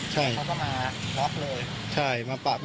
จอดอยู่ไว้เฉยเขาก็มาล๊อคเลย